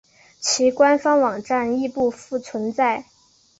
其官方网站亦不复存在。